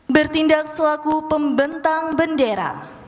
bertindak selaku pembentang bendera